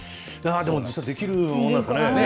実際できるもんなんですかね。